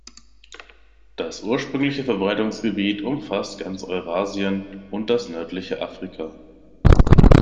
Das ursprüngliche Verbreitungsgebiet umfasst ganz Eurasien und das nördliche Afrika.